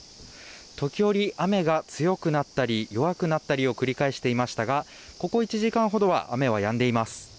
時折、雨が強くなったり弱くなったりを繰り返していましたが、ここ１時間ほどは雨はやんでいます。